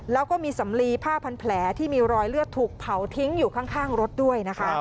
แล้วก็มีสำลีผ้าพันแผลที่มีรอยเลือดถูกเผาทิ้งอยู่ข้างรถด้วยนะคะ